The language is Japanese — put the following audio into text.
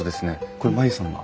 これ真由さんが？